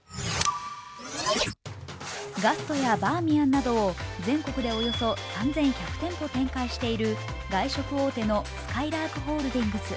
ガストやバーミヤンなど、全国でおよそ３１００店舗展開している外食大手のすかいらーくホールディングス。